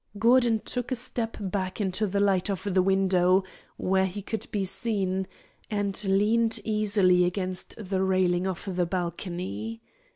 Gordon took a step back into the light of the window, where he could be seen, and leaned easily against the railing of the balcony.